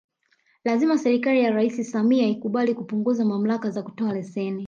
Lazima serikali ya Rais Samia ikubali kupunguza mamlaka za kutoa leseni